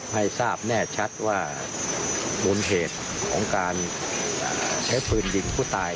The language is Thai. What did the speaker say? ให้ทราบแน่ชัดว่ามูลเหตุของการใช้ปืนยิงผู้ตาย